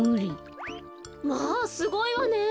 まあすごいわね。